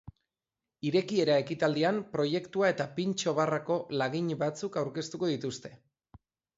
Irekiera ekitaldian, proiektua eta pintxo barrako lagin batzuk aurkeztuko dituzte.